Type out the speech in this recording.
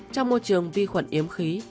trong môi trường vi khuẩn yếm khí